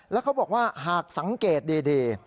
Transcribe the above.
แล้วเขาบอกว่าหากสังเกตดี